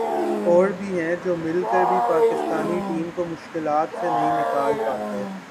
اور بھی ہیں جو مل کر بھی پاکستانی ٹیم کو مشکلات سے نہیں نکال پاتے ۔